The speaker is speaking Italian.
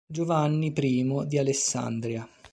Giovanni I di Alessandria